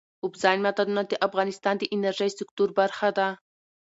اوبزین معدنونه د افغانستان د انرژۍ سکتور برخه ده.